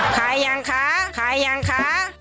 ขายังคะขายังคะ